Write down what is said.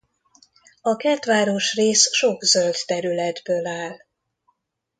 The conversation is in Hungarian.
A kertváros rész sok zöld területből áll.